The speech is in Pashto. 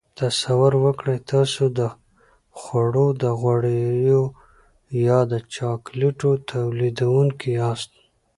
تصور وکړئ تاسو د خوړو د غوړیو یا د چاکلیټو تولیدوونکي یاست.